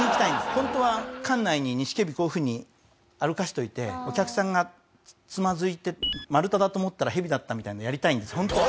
本当は館内にニシキヘビこういう風に歩かせといてお客さんがつまずいて丸太だと思ったらヘビだったみたいなのやりたいんです本当は。